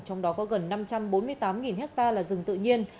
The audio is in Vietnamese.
trong đó có gần năm trăm bốn mươi tám ha là rừng tự nhiên